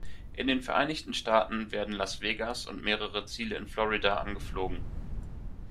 In den Vereinigten Staaten werden Las Vegas und mehrere Ziele in Florida angeflogen.